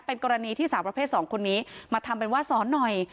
เป็นกรณีที่สาวประเภท๒คนนี้มาทำเป็นว่าสอนหน่อย